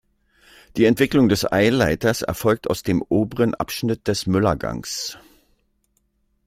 Die Entwicklung des Eileiters erfolgt aus dem oberen Abschnitt des Müller-Gangs.